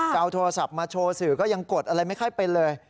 จะเอาโทรศัพท์มาโชว์สื่อก็ยังกดอะไรไม่ค่อยเป็นเลย